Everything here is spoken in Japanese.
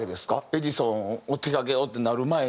『エジソン』を手がけようってなる前に。